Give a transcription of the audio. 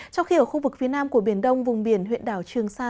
trong khi ở khu vực phía nam của biển đông vùng biển huyện đảo trường sa